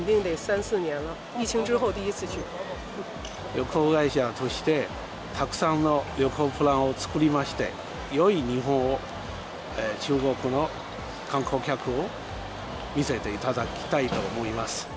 旅行会社としてたくさんの旅行プランを作りまして、よい日本を中国の観光客に見せていただきたいと思います。